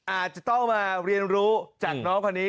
อาจจะต้องมาเรียนรู้จากน้องคนนี้